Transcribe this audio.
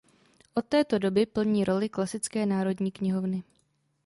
Od této doby plní roli klasické národní knihovny.